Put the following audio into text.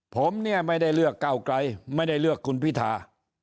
ผมเนี่ยไม่ได้เลือกก้าวไกลไม่ได้เลือกคุณพิธา